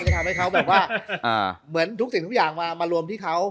จะทำให้เขาแบบว่าเหมือนทุกสิ่งทุกอย่างมารวมที่เขา